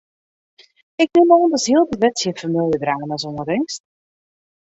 Ik nim oan datst hieltyd wer tsjin famyljedrama's oanrinst?